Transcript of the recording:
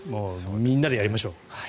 みんなでやりましょう。